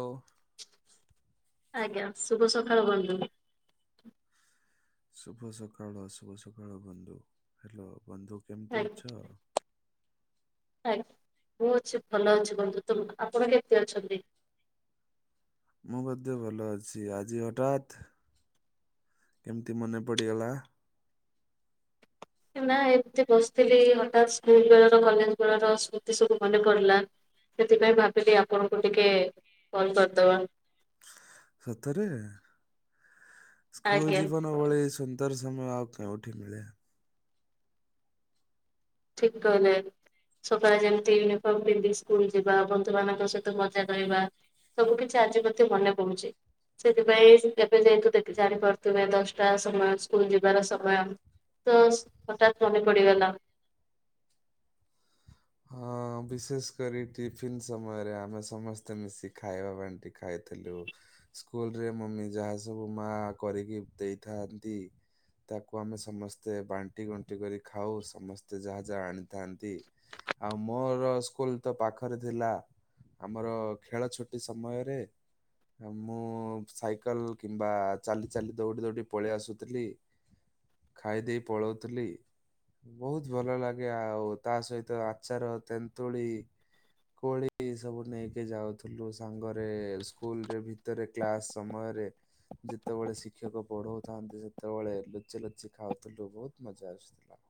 ହଉ। ଆଜ୍ଞା ଶୁଭ ସକାଳ ବନ୍ଧୁ। ଶୁଭ ସକାଳ ଶୁଭ ସକାଳ ବନ୍ଧୁ, ହାଲୋ ବନ୍ଧୁ କେମିତି ଆଜ୍ଞା ଅଛ? ଆଜ୍ଞା ମୁଁ ଅଛି ଭଲ ଅଛି ବନ୍ଧୁ ତ ଆପଣ କେମିତି ଅଛନ୍ତି? ମୁଁ ବୋଧେ ଭଲ ଅଛି, ଆଜି ହଠାତ୍ କେମିତି ମନେ ପଡିଗଲା। ନା ଏମତି ବସିଥିଲି ହଠାତ୍ ସ୍କୁଲ ବେଳର କଲେଜ ବେଳର ସ୍ମୃତି ସବୁ ମନେ ପଡିଲା। ସେଥିପାଇଁ ଭାବିଲି ଆପଣଙ୍କୁ ଟିକେ କଲ କରିଦବା। ସତରେ ସ୍କୁଲ ଆଜ୍ଞା। ଜୀବନ ଭଳି ସୁନ୍ଦର ସମୟ ଆଉ କେଉଁଠି ମିଳେ। ଠିକ କହିଲେ। ସକାଳେ ଯେମିତି ୟୁନିଫର୍ମ ପିନ୍ଧି ସ୍କୁଲ ଯିବା, ବନ୍ଧୁ ମାନଙ୍କ ସହିତ ମଜା କରିବାହା। ସବୁ କିଛି ଆଜି ମତେ ମନେ ପହୁଛି। ସେଥିପାଇଁ ଏବେ ଯେହତୁ ଦେଖ ଜାଣିପାରୁଥିବେ ଦଶଟା ସମୟ ସ୍କୁଲ ଯିବାର ସମୟ। ତ ହଠାତ୍ ମନେ ପଡିଗଲା। ହଁ। ହଁ ବିଶେଷ କରି ଟିଫିନ୍ ସମୟରେ ଆମେ ସମସ୍ତେ ମିଶି ଖାଇବା ବାଣ୍ଟି ଖାଇଥିଲୁ। ସ୍କୁଲ ରେ ମମି ଯାହା ସବୁ ମା କରିକି ଦେଇଥାନ୍ତି। ତାକୁ ଆମେ ସମସ୍ତେ ବାଣ୍ଟି ଗୁଣ୍ଟି କରି ଖାଉ ସମସ୍ତେ ଯାହା ଯାହା ଆଣିଥାନ୍ତି। ଆଉ ମୋର ସ୍କୁଲ ତ ପାଖରେ ଥିଲା। ଆମର ଖେଳ ଛୁଟି ସମୟରେ, ମୁଁ ସାଇକେଲ କିମ୍ବା ଚାଲି ଚାଲି ଦୌଡି ଦୌଡି ପଳେଇ ଆସୁଥିଲି। ହ ଖାଇଦେଇେ ପଳଉଥିଲି ବହୁତ ଭଲ ଲାଗେ ଆଉ ତା ସହିତ ଆଚାର, ତେନ୍ତୁଳି, କୋଳି ସବୁ ନେଇକି ଯାଉଥିଲୁ ସାଙ୍ଗରେ ସ୍କୁଲ ରେ ଭି ଭିତରେ କ୍ଲାସ ସମୟରେ, ଯେତେବେଳେ ଶିକ୍ଷକ ପଢଉଥାନ୍ତି ସେତେବେଳେ ଲୁଚି ଲୁଚି ଖାଉଥିଲୁ ବହୁତ ମଜା। ଅସଲା।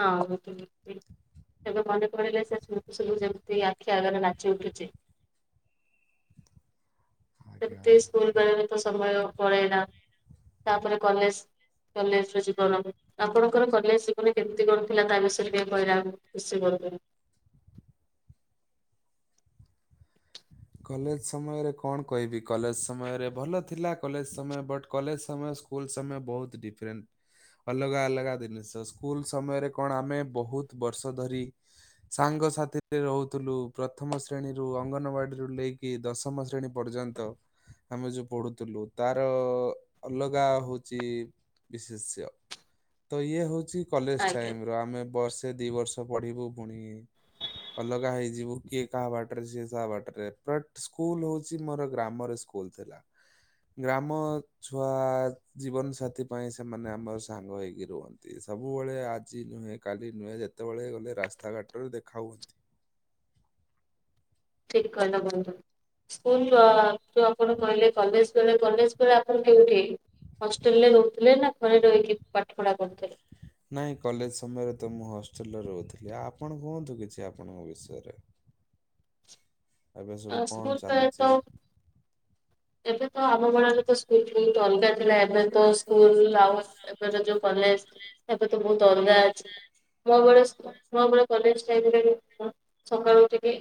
ହଁ ଅ [unintelligible] ଏବେ ମନେ ପଡ଼ିଲେ ସେ ସ୍ମୃତି ସବୁ ଯେମିତି ଆଖି ଆଗରେ ନାଚି ଉଠୁଛି। ସେମିତି ଆଜ୍ଞା ସ୍କୁଲବେଳ ର ତ ସମୟ ପଳେଇଲା ତାପରେ କଲେଜ, କଲେଜ ର ଜୀବନ। ଆପଣଙ୍କର କଲେଜ ଜୀବନ କେମିତି କଣ ଥିଲା ତା ବିଷୟରେ ଟିକେ କହିଲା ଖୁସି କରୁିନ୍ତି। କଲେଜ ସମୟରେ କଣ କହିବି କଲେଜ ସମୟରେ ଭଲ ଥିଲା କଲେଜ ସମୟ ବଟ୍ କଲେଜ ସମୟ ସ୍କୁଲ ସମୟ ବହୁତ ଡିଫରେଣ୍ଟ ଅଲଗା ଅଲଗା ଜିନିଷ ସ୍କୁଲ ସମୟରେ କଣ ଆମେ ବହୁତ ବର୍ଷ ଧରି ସାଙ୍ଗ ସାଥିରେ ରହୁଥିଲୁ ପ୍ରଥମ ଶ୍ରେଣୀରୁୁ ଅଙ୍ଗନବାଡି ନେଇକି ଦଶମ ଶ୍ରେଣୀ ପର୍ଯ୍ୟନ୍ତ। ଆମେ ଯୋଉ ପଢୁଥିଲୁ ତାର ଅଲଗା ହଉଛି ବିଶେଷ୍ୟ ତ ଇଏ ହଉଛି କଲେଜ ଆଜ୍ଞା ଟାଇମ ର ଆମେ ବର୍ଷେ ଦି ବର୍ଷ ପଢିବୁ ପୁଣି ଅଲଗା ହେଇଯିବୁ କିଏ କାହା ବାଟରେ ସିଏ ତାହା ବାଟରେ ରପଟେ ସ୍କୁଲ୍ ହଉଛି ମୋର ଗ୍ରାମରେ ସ୍କୁଲ ଥିଲା। ଗ୍ରାମ ଛୁଆ ଜୀବନ ସାଥି ପାଇଁ ସେମାନେ ଆମର ସାଙ୍ଗ ହେଇକି ରୁହନ୍ତି। ସବୁବେଳେ ଆଜି ନୁହେଁ କାଲି ନୁହେଁ ଯେତେବେଳେ ଗଲେ ରାସ୍ତାଘାଟରେ ଦେଖା ହୁଅନ୍ତି। ଠିକ୍ କହିଲ ବନ୍ଧୁ। ସ୍କୁଲ ଯଉ ଆପଣ କହିଲେ କଲେଜ ଗଲେ କଲେଜ ପରେ ଆପଣ କେଉଁଠି ହଷ୍ଟେଲ ରେ ରହୁଥିଲେ ନା ଘରେ ରହିକି ପାଠ ପଢା କରୁଥିଲେ। ନାଇଁ କଲେଜ ସମୟରେ ତ ମୁଁ ହଷ୍ଟେଲରେ ରହୁଥିଲି। ଆପଣ କୁହନ୍ତୁ କିଛି ଆପଣଙ୍କ ବିଷୟରେ ଏବେ ଅ, ସବୁ କଣ ସ୍କୁଲ ବେଳେ ତ ଚାଲିଛି। ଏବେ ତ ଆମ ବେଳ ରେ ତ ସ୍କୁଲତ ଅଲଗା ଥିଲା ଏବେ ତ ସ୍କୁଲ ଆଉ ଏବେ ଯୋଉ କଲେଜ ଏବେ ତ ବହୁତ ଅଲଗା ଅଛି। ମୋ ବେଳେ ମୋ କଲେଜ ଟାଇ ସକାଳୁ ଉଠିକି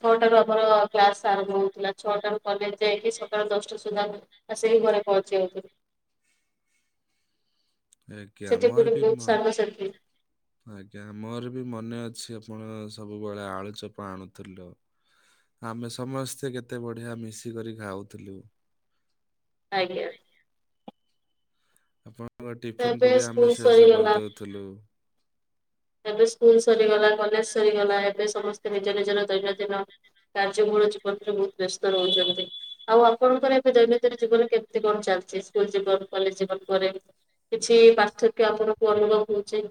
ଛଅଟା ମୋର କ୍ଲାସ ଆରମ୍ଭ ହଉଥିଲା ଛଅଟାରୁ କଲେଜ ଯାଇକି ସକାଳ ଦଶଟା ସୁଦ୍ଧା ଆସିକି ଘରେ ପହଞ୍ଚି ଯାଉଥିଲୁ। ଆଜ୍ଞା ସେଠି ମୋର ପୁଣି ବି। ବହୁତ ସାଙ୍ଗସାଥି ଆଜ୍ଞା ମୋର ବି ମନେ ଅଛି ଆପଣ ସବୁବେଳେ ଆଳୁ ଚୋପା ଆଣୁଥିଲ। ଆମେ ସମସ୍ତେ କେତେ ବଢିଆ ମିଶିକରି ଖାଉଥିଲୁ। ଆଜ୍ଞା। ଆପଣଙ୍କ ତ ଟିଫିିନ ଏବେ କୁ ବି ସ୍କୁଲ ଆମେ ଶେଷ ସରିଗଲା କରିଦଉଥିଲୁ। ଏବେ ସ୍କୁଲ ସରିଗଲା କଲେଜ ସରିଗଲା ଏବେ ସମସ୍ତେ ନିଜ ନିଜର ଦୈନନ୍ଦିନ କାର୍ଯ୍ୟ ମୟ ଜୀବନରେ ବହୁତ ବ୍ୟସ୍ତ ରହୁଛନ୍ତି। ଆଉ ଆପଣଙ୍କର ଏବେ ଦୈନନ୍ଦିନ ଜୀବନ କେମିତି କଣ ଚାଲିଛି ସ୍କୁଲ ଜୀବନ କଲେଜ ଜୀବନ ପରେ କିଛି ପାର୍ଥକ୍ୟ ଆପଣଙ୍କୁ ଅନୁଭବ ହଉଛି।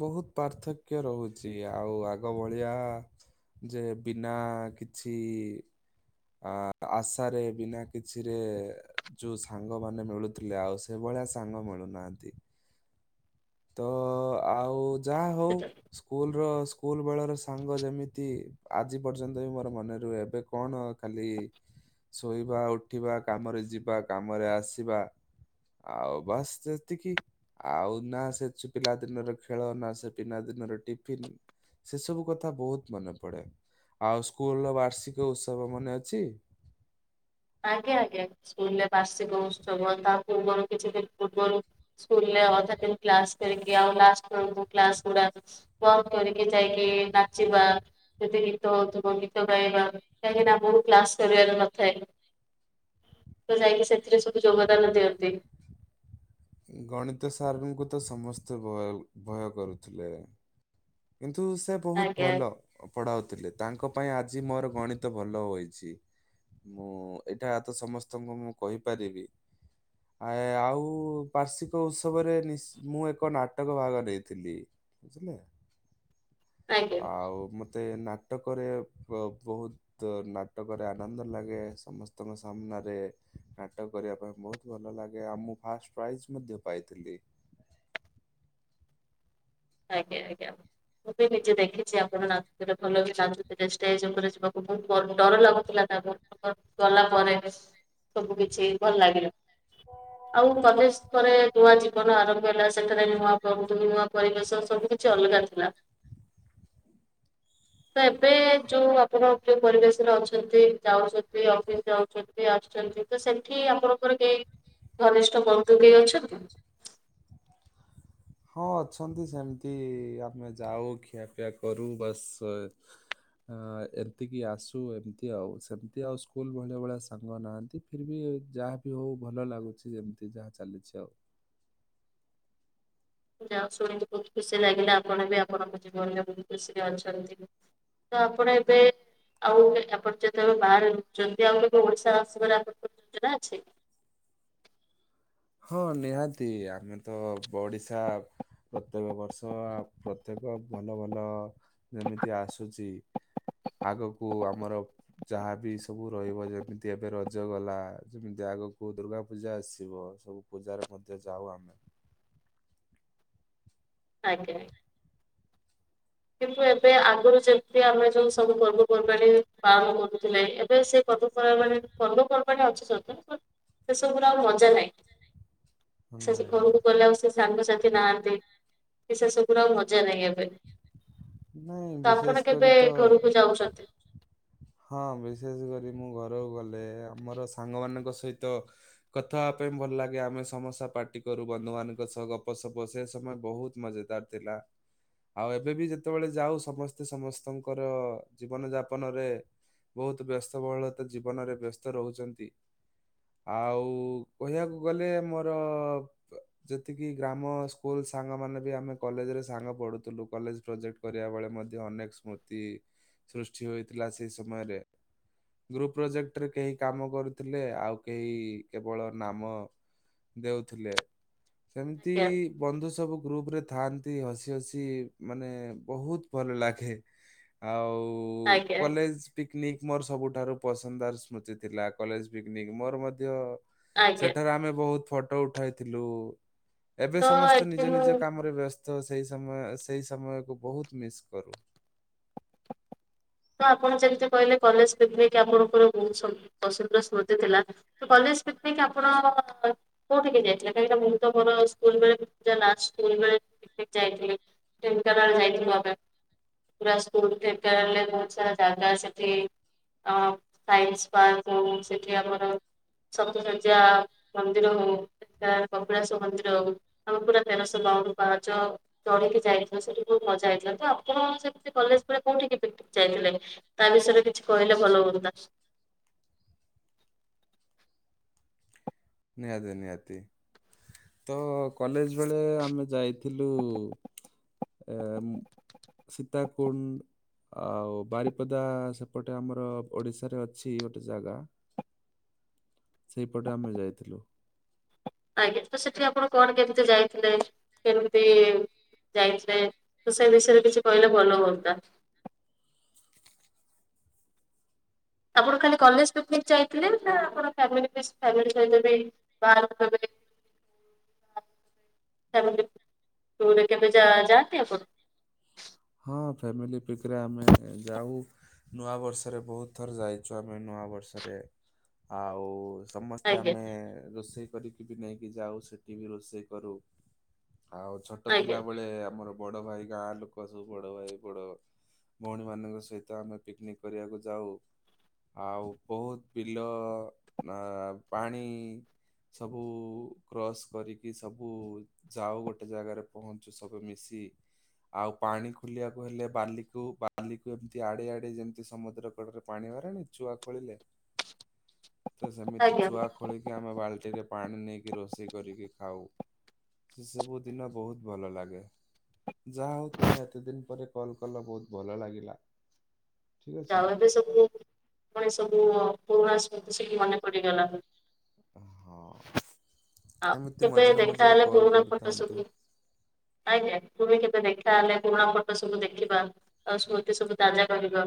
ବହୁତ ପାର୍ଥକ୍ୟ ରହୁଛି ଆଉ ଆଗ ଭଳିଆ ଯେ ବିନା କିଛି ଆ ଆଶାରେ ବିନା କିଛିରେ ଯୋଉ ସାଙ୍ଗମାନେ ମିଳୁଥିଲେ ଆଉ ସେଭଳିଆ ସାଙ୍ଗ ମିଳୁନାହାନ୍ତି। ତ ଆଉ ଯାହା ହଉ ସେଟା ସ୍କୁଲର ସ୍କୁଲ ବେଳର ସାଙ୍ଗ ଯେମିତି ଆଜି ପର୍ଯ୍ୟନ୍ତ ବି ମୋର ମନେ ରୁହେ ଏବେ କଣ ଖାଲି ଶୋଇବା ଉଠିବା କାମରେ ଯିବା କାମରେ ଆସିବା। ଆଉ ବାସ୍ ସେତିକି ଆଉ ନା ସେ ପିଲା ଦିନର ଖେଳନା ସେ ପିଲା ଦିନର ଟିଫିନ ସେ ସବୁ କଥା ବହୁତ ମନେ ପଡେ। ଆଉ ସ୍କୁଲ ର ବାର୍ଷିକ ଉତ୍ସବ ମନେ ଅଛି। ଆଜ୍ଞା ଆଜ୍ଞା ସ୍କୁଲରେ ବାର୍ଷିକ ଉତ୍ସବ ତା ପୂର୍ବରୁ କିଛି ଦିନ ପୂର୍ବରୁ ସ୍କୁଲରେ ଅଧା ଦିନ କ୍ଲାସ କରିକି ଆଉ ଲାଷ୍ଟ ବେଳକୁ କ୍ଲାସ୍ ଗୁଡା ବନ୍ଦ କରିକି ଯାଇକି ନାଚିବା ଯଦି ଗୀତ ହଉଥିବ ଗୀତ ଗାଇବା କାହିଁକିନା ବହୁ କ୍ଲାସ କରିବାର ନଥାଏ। ଯାଇକି ସେଥିରେ ସବୁ ଯୋଗଦାନ ଦିଅନ୍ତି। ଗଣିତ ସାର୍ ଙ୍କୁ ତ ସମସ୍ତେ ଭୟ ଭୟ କରୁଥିଲେ। କିନ୍ତୁ ସେ ବହୁତ ଆଜ୍ଞା ଭଲ ପଢାଉଥିଲେ। ତାଙ୍କ ପାଇଁ ଆଜି ମୋର ଗଣିତ ଭଲ ହୋଇଛି। ମୁଁ ଏଇଟା ତ ସମସ୍ତଙ୍କୁ ମୁଁ କହିପାରିବି ଆ ଆଉ ବାର୍ଷିକ ଉତ୍ସବରେ ମୁଁ ଏକ ନାଟକ ଭାଗ ନେଇଥିଲି। ବୁଝିଲେ? ଆଜ୍ଞା ଆଉ ମତେ ନାଟକରେ ବ-ବହୁତ ତ ନାଟକରେ ଆନନ୍ଦ ଲାଗେ। ସମସ୍ତଙ୍କ ସାମ୍ନାରେ ନାଟକ କରିବା ପାଇଁ ବହୁତ ଭଲ ଲାଗେ। ଆଉ ମୁଁ ଫାଷ୍ଟ ପ୍ରାଇଜ ମଧ୍ୟ ପାଇଥିଲି। ଆଜ୍ଞା ଆଜ୍ଞା। ମୁଁ ବି ନିଜେ ଦେଖିଛି ଆପଣ ନାଚୁଥିଲେ, ଭଲ ନାଚୁଥିଲେ। ଷ୍ଟେଜ ଉପରେ ଯିବାକୁ ବହୁତ ଡର ଲାଗୁ [unintelligible] ଗଲା ପରେ ସବୁ କିଛି ଭଲ ଲାଗିଲା। ଆଉ କଲେଜ ପରେ ନୂଆ ଜୀବନ ଆରମ୍ଭ ହେଲା। ସେଠାରେ ନୂଆ, [unintelligible] ନୂଆ ପରିବେଶ ସବୁ କିଛି ଅଲଗା ଥିଲା। ତ ଏବେ ଯୋଉ ଆପଣ ଯୋଉ ପରିବେଶରେ ଅଛନ୍ତି, ଯାଉଛନ୍ତି ଅଫିସ ଯାଉଛନ୍ତି ଆସୁଛନ୍ତି ତ ସେଠି ଆପଣଙ୍କର କେହି ଘନିଷ୍ଠ ବନ୍ଧୁ କେହି ଅଛନ୍ତି? ହଁ ଅଛନ୍ତି ସେମିତି, ଆମେ ଯାଉ ଖିଆପିଆ କରୁ ବାସ୍ ଅ ଏମତିକି ଆସୁ ଏମିତି ଆଉ ସେମିତି ଆଉ ସ୍କୁଲ ଭଳିଆ ଭଳିଆ ସାଙ୍ଗ ନାହାନ୍ତି। ଫିର୍ ବି ଯାହା ବି ହଉ ଭଲ ଲାଗୁଛି ଯେମିତି ଯାହା ଚାଲିଛି ଆଉ। ଯାହା ହେଉ ଶୁଣିକି ବହୁତ ଖୁସି ଲାଗିଲା ଆପଣ ବି ଆପଣଙ୍କ ଜୀବନରେ ବହୁତ ଖୁସିରେ ଅଛନ୍ତି। ତ ଆପଣ ଏବେ [unintelligible] ହଁ ନିହାତି। ଆମେ ତ ଓଡିଶା ପ୍ରତ୍ୟେକ ବର୍ଷ ପ୍ରତ୍ୟେକ ଭଲ ଭଲ ଯେମିତି ଆସୁଛି ଆଗକୁ ଆମର ଯାହାବି ସବୁ ରହିବ ଯେମିତି ଏବେ ରଜ ଗଲା ଯେମିତି ଆଗକୁ ଦୁର୍ଗା ପୂଜା ଆସିବ ସବୁ ପୂଜାରେ ମଧ୍ୟ ଯାଉ ଆମେ। ଆଜ୍ଞା ଆଜ୍ଞା। କିନ୍ତୁ ଏବେ ଆଗରୁ ଯେମିତି ଆମେ ଯୋଉ ସବୁ ପର୍ବପର୍ବାଣି ପାଳନ କରୁଥିଲେ, ଏବେ ସେ ପର୍ବପର୍ବାଣୀ ପର୍ବପର୍ବାଣୀ ଅଛି ସତ, ସେ ସବୁ ଆ ମଜା ନାହିଁ। ସେ ନାଇଁ। ଘରକୁ ଗଲେ ଆଉ ସେ ସାଙ୍ଗସାଥି ନାହାନ୍ତି କି ସେସବୁର ଆଉ ମଜା ନାହିଁ ଏବେ। ନାଇଁ ତ ଆପଣ ବିଶେଷ କରି କେବେ ତ ଘରକୁ ଯାଉଛନ୍ତି? ହଁ ବିଶେଷ କରି ମୁଁ ଘରକୁ ଗଲେ ଆମର ସାଙ୍ଗମାନଙ୍କ ସହିତ କଥା ହେବା ପାଇଁ ଭଲ ଲାଗେ। ଆମେ ସମସ୍ତେ ପାର୍ଟି କରୁ ବନ୍ଧୁମାନଙ୍କ ସହ ଗପସପ ସେ ସମୟ ବହୁତ ମଜେଦାର୍ ଥିଲା। ଆଉ ଏବେ ବି ଯେତେବେଳେ ଯାଉ ସମସ୍ତେ ସମସ୍ତଙ୍କର ଜୀବନ ଯାପନ ରେ ବହୁତ ବ୍ୟସ୍ତବହୁଳତା ଜୀବନରେ ବ୍ୟସ୍ତ ରହୁଛନ୍ତି। ଆଉ କହିବାକୁ ଗଲେ ମୋର ଯେତିକି ଗ୍ରାମ ସ୍କୁଲ ସାଙ୍ଗ ମାନେ ବି ଆମେ କଲେଜ ରେ ସାଙ୍ଗ ପଢୁଥିଲୁ। କଲେଜ ପ୍ରଜେକ୍ଟ କରିବା ବେଳେ ମଧ୍ୟ ଅନେକ ସ୍ମୃତି ସୃଷ୍ଟି ହୋଇଥିଲା ସେଇ ସମୟରେ। ଗ୍ରୁପ ପ୍ରୋଜେକ୍ଟରେ କେହି କାମ କରୁଥିଲେ ଆଉ କେହି କେବଳ ନାମ ଦେଉଥିଲେ। ସେମିତି ଆଜ୍ଞା ବନ୍ଧୁ ସବୁ ଗ୍ରୁପ ରେ ଥାଆନ୍ତି ହସି ହସି ମାନେ ବହୁତ ଭଲ ଲାଗେ। ଆଉ ଆଜ୍ଞା ଲେଜ୍ ପିକନିକ୍ ମୋର ସବୁଠାରୁ ପସନ୍ଦାର ସ୍ମୃତି ଥିଲା କଲେଜ ପିକନିକ ମୋର ମଧ୍ୟ ଆଜ୍ଞା ସେଠାରେ ଆମେ ବୋହୁତ ଫଟୋ ଉଠାଇଥିଲୁ। ଏବେ ତ ସମସ୍ତେ ନିଜ ଏଠି ମୁଁ ନିଜ କାମରେ ବ୍ୟସ୍ତ ସେଇ ସମୟ ସେଇ ସମୟକୁ ବୋହୁତ ମିସ୍ କରୁ ତ ଆପଣ ଯେମିତି କହିଲେ କଲେଜ ପିକନିକ୍ ଆପଣଙ୍କର ବୋହୁତ ପସନ୍ଦର ସ୍ମୃତି ଥିଲା। ତ କଲେଜ ପିକନିକ ଆପଣ କୋଉଠିକି ଯାଇଥିଲ କାହିଁକି ନା ମୁଁ ତ ମୋର ସ୍କୁଲ ବେଳେ ପୁରା ଲାଷ୍ଟେ [unintelligible] ଯାଇଥିଲି। ଢେଙ୍କାନାଳ ଯାଇଥିଲୁ ଆମେ ପୁରା ସ୍କୁଲ ଢେଙ୍କାନାଳରେ କେତେ ସାରା ଜାଗା ସେଠି ହଁ ସାଇନ୍ସ ପାର୍କ [unintelligible] ସେଠି ଆମର। ସପ୍ସସଯ୍ୟା ମନ୍ଦିର ହୋଉ ଏଟା କପିଳାସ ମନ୍ଦିର ହୋଉ। ଆମେ ପୁରା ତେରଶବାଉନୁ ପାହାଚ ଚଢିକି ଯାଇନ ସେଠି ବୋହୁତ ମଜା ହେଇଥିଲା ତ ଆପଣ ସେ କଲେଜ ପରେ କୋଉଠିକି ଭେଟ ଯାଇଥିଲେ ତା ବିଷୟରେ କିଛି କହିଲେ ଭଲ ହୁଅନ୍ତା। ନିହାତୀ ନିହାତୀ। ତ କଲେଜ ବେଳେ ଆମେ ଯାଇଥିଲୁ ଏମ୍ ସୀତାକୁଣ୍ଡ। ଆଉ ବାରିପଦା ସେପଟେ ଆମର ଓଡିଶାରେ ଅଛି ଗୋଟେ ଜାଗା। [unintelligible] ସେଇପଟେ ଆମେ ଯାଇଥିଲୁ। ଆଜ୍ଞା ତ ସେଠି ଆପଣ କଣ କେମିତି ଯାଇଥିଲେ କେମିତି ଯାଇଥିଲେ ତ ସେଇ ବିଷୟରେ କିଛି କହିଲେ ଭଲ ହୁଅନ୍ତା। ଆପଣ ଖାଲି କଲେଜ ପିକନିକ ଯାଇଥିଲେ ନା ଆପଣ ଫ୍ୟାମିଲୀ [unintelligible] [unintelligible] ଫ୍ୟାମିଲୀ [unintelligible] କେବେ ଯା ଯାଆନ୍ତି ଆପଣ। ହଁ ଫ୍ୟାମିଲି ପିକ ରେ ଆମେ ଯାଉ। ନୂଆ ବର୍ଷରେ ବୋହୁତ ଥର ଯାଇଛୁ ଆମେ ନୂଆ ବର୍ଷରେ ଆଉ ସମସ୍ତେ ଆଜ୍ଞା ଆମେ ରୋଷେଇ କରିକି [unintelligible] ନେଇକି ଯାଉ ସେଠି ବି ରୋଷେଇ କରୁ ଆଉ ଛୋଟ ଆଜ୍ଞା ଥିଲା ବେଳେ ଆମର ବଡ ଭାଇ ଗାଁ ଲୋକ ସବୁ ବଡ଼ ଭାଇ ବଡ଼ ଭଉଣୀ ମାନଙ୍କ ସହିତ ଆମେ ପିକନିକ କରିବାକୁ ଯାଉ। ଆଉ ବୋହୁତ ବିଲ ଆ ପାଣି। ସବୁ କ୍ରସ୍ କରିକି ସବୁ ଯାଉ ଗୋଟେ ଜାଗାରେ ପହଞ୍ଚୁ ସବୁ ମିଶି। ଆଉ ପାଣି ଖୋଲିବାକୁ ହେଲେ ବାଲିକୁ ବାଲିକୁ ଏମିତି ଆଡେଇ ଆଡେଇ ଯେମିତି ସମୁଦ୍ର କଡରେ ପାଣିିବାହାରେ ନି ଚୁଆ ଖୋଳିଲେ। [inaudible] ତ ସେମିତି ଆଜ୍ଞା ଚୁଆ ଖୋଳିକି ଆମେ ବାଲ୍ଟିରେ ପାଣି ନେଇକି ରୋଷେଇ କରିକି ଖାଉ। ସେ ସବୁ ଦିନ ବୋହୁତ ଭଲ ଲାଗେ ଯାହା ହୋଉ ଏତେ ଦିନ ପରେ କଲ୍ କଲ ବୋହୁତ ଭଲ ଲାଗିଲା। ଠିକ୍ ଅଛି [unintelligible] ନା ଏବେ ସବୁ ପୁଣି ସବୁ ପୁରୁଣା ସ୍ମୁତି ସବୁ ମନେ ପଡିଗଲା। ଅ ହଃ। ଆଉ କେବେ ଦେଖାହେଲେ ପୁରୁଣା ଫଟୋ କରୁଥାନ୍ତୁ ସବୁ ଆଜ୍ଞା ପୁଣି କେବେ ଦେଖାହେଲେ ପୁରୁଣା ଫଟୋ ସବୁ ଦେଖିବା। ଆଉ ସ୍ମୁତିସବୁ ତାଜା କରିବ।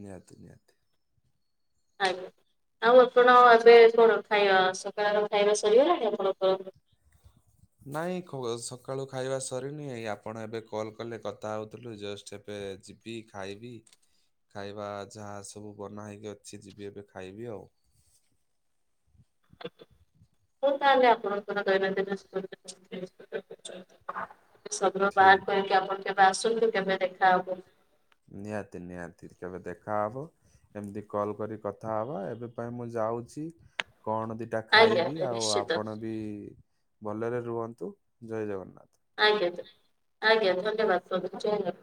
ନିହାତି ନିହାତି। ଆଜ୍ଞା ଆଉ ଆପଣ ଏବେକଣ ଖାଇବା ସକାଳର ଖାଇବା ସରିଗଲାଣି ଆପଣଙ୍କର। ନାଇଁ କୂଅ ସକାଳୁ ଖାଇବା ସରିନି ଏଇ ଆପଣ ଏବେ କଲ୍ କଲେ କଥା ହେଉଥିଲୁ ଜଷ୍ଟ ଏବେ ଯି ଯିବି ଖାଇବି ଖାଇବା ଯାହା ସବୁ ବନା ହେଇକି ଅଛି ଯିବି ଏବେ ଖାଇବି ଆଉ। ହଁ ତାହେଲେ ଆପଣଙ୍କର ଦୈବାନ୍ଦିନ [unintelligible] ସବର ଠିକ୍ ବାହାର ଅଛି କରିକି ଆପଣ କେବେ ଆସନ୍ତୁ କେବେ ଦେଖାହବ? ନିହାତି ନିହାତି କେବେ ଦେଖା ହବ। ଏମିତି କଲ କରି କଥା ହବା ଏବେ ପାଇଁ ମୁଁ ଯାଉଛି କଣ ଦି ଏଇଟା ଆଜ୍ଞା ଖାଇବି ଆଜ୍ଞା ଆଉ ନିଶ୍ଚିତ ଆପଣ ବି ଭଲରେ ରୁହନ୍ତୁ ଜୟ ଜଗନ୍ନାଥ। ଆଜ୍ଞ ଆଜ୍ଞା ଧନ୍ୟବାଦ ଜୟ ଜଗ